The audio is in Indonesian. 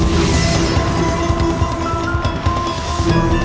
suara mereka menggunakan bukaan pelarrass mereka saku